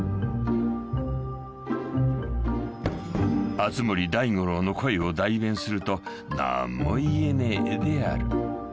［熱護大五郎の声を代弁すると「何も言えねえ」である］